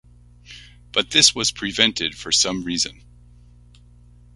But this was prevented for some reason.